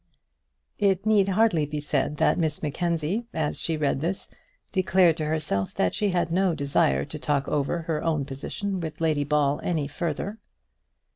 It need hardly be said that Miss Mackenzie, as she read this, declared to herself that she had no desire to talk over her own position with Lady Ball any further.